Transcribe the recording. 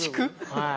はい。